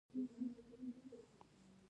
د دولت اسرار باید وساتل شي